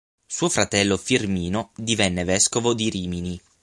Suo fratello Firmino, divenne vescovo di Rimini.